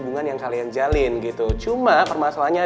roman bakalan jawab apa ya